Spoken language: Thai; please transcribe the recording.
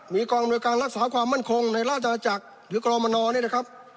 มีกองอำนวยการรักษาความมั่นคงในราชนาจักรหรือกรมนเนี่ยนะครับ